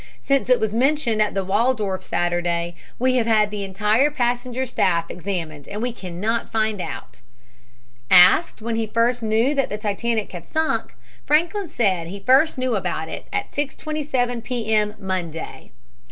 "Since it was mentioned at the Waldorf Saturday we have had the entire passenger staff examined and we cannot find out." Asked when he first knew that the Titanic had sunk, Franklin said he first knew it about 6.27 P.M., Monday.